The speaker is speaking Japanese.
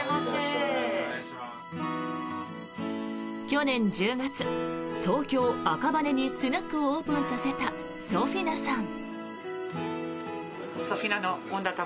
去年１０月、東京・赤羽にスナックをオープンさせたソフィナさん。